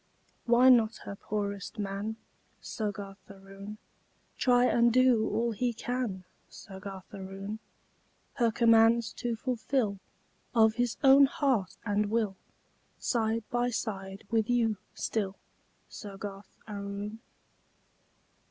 Why not her poorest man, Soggarth Aroon, Try and do all he can, Soggarth Aroon, Her commands to fulfill Of his own heart and will, Side by side with you still, Soggarth Aroon?